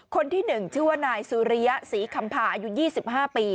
คนที่๑ชื่อว่านายสุริยะศรีคำพาอายุ๒๕ปี